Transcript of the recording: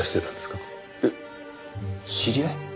えっ知り合い？